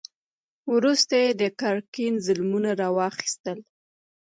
وروسته یې د ګرګین ظلمونه را واخیستل.